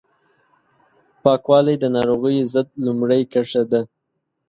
پاکوالی د ناروغیو ضد لومړۍ کرښه ده